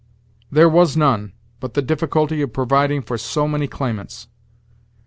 "There was none, but the difficulty of providing for so many claimants."